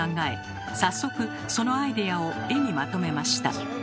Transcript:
早速そのアイデアを絵にまとめました。